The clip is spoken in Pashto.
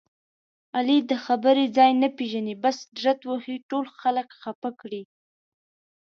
علي د خبرې ځای نه پېژني بس ډرت وهي ټول خلک خپه کړي.